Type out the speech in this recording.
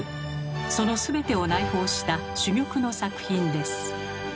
その全てを内包した珠玉の作品です。